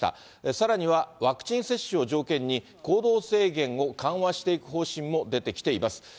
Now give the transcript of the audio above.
さらにはワクチン接種を条件に、行動制限を緩和していく方針も出てきています。